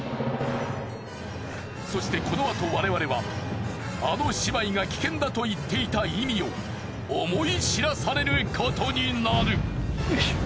そしてこのあと我々はあの姉妹が危険だと言っていた意味を思い知らされることになる。